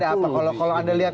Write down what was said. itu tanda apa kalau anda lihat